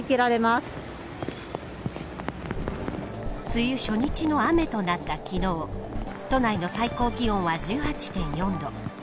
梅雨初日の雨となった昨日都内の最高気温は１８．４度。